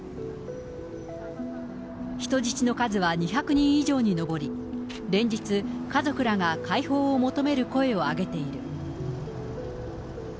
人質の数は２００人以上に上り、連日、家族らが解放を求める声を上げている。